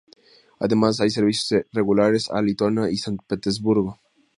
Además hay servicios regulares a Lituania y San Petersburgo.